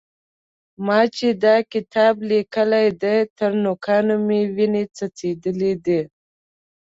ما چې دا کتاب لیکلی دی؛ تر نوکانو مې وينې څڅېدلې دي.